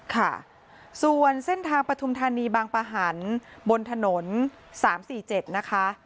ค่ะส่วนเส้นทางปฐุมธานีบางปะหันบนถนน๓๔๗นะคะ